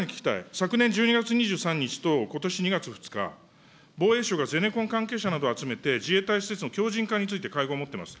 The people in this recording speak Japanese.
昨年１２月２３日とことし２月２日、防衛省がゼネコン関係者などを集めて、自衛隊施設の強じん化について会合を持ってます。